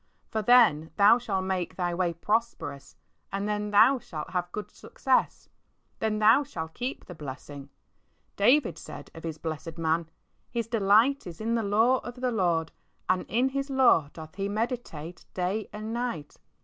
"For then thou shalt make thy way prosperous, and then thou shalt have good success." Then thou shalt keep the blessing. David said of his blessed man, " His delight is in the law of the Lord, and in His law doth he meditate day and night."